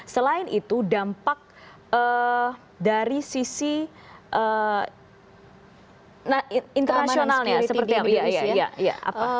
selain itu dampak dari sisi internasionalnya